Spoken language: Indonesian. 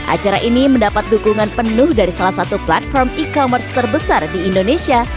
acara ini mendapat dukungan penuh dari salah satu platform e commerce terbesar di indonesia